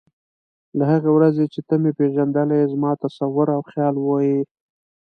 له هغې ورځې چې ته مې پېژندلی یې ته زما تصور او خیال وې.